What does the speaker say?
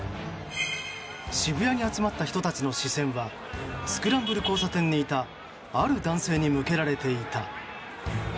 渋谷に集まった人たちの視線はスクランブル交差点にいたある男性に向けられていた。